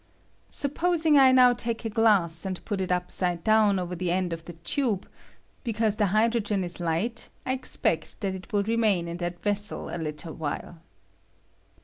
Supposing I now take a glass and put it upside down over the end of the tube, because the hydrogen is light I expect that it will remain in that vessel a little while.